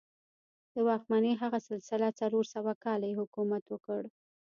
د واکمنۍ هغه سلسله څلور سوه کاله یې حکومت وکړ.